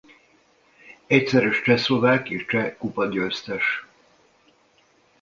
Egyszeres csehszlovák és cseh kupagyőztes.